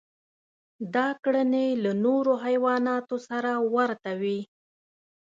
دا کړنې له نورو حیواناتو سره ورته وې.